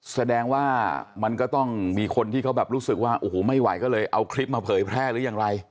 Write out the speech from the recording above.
แสดงว่ามันก็ต้องมีคนที่เขาแบบรู้สึกว่าโอ้โหไม่ไหวก็เลยเอาคลิปมาเผยแพร่หรือยังไร